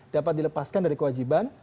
dapat dilepaskan dari kewajiban